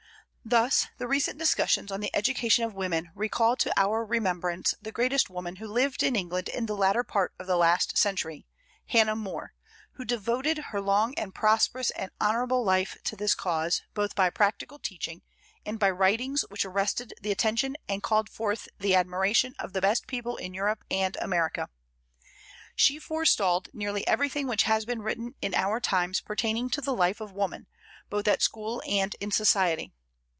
Thus the recent discussions on the education of women recall to our remembrance the greatest woman who lived in England in the latter part of the last century, Hannah More, who devoted her long and prosperous and honorable life to this cause both by practical teaching and by writings which arrested the attention and called forth the admiration of the best people in Europe and America. She forestalled nearly everything which has been written in our times pertaining to the life of woman, both at school and in society.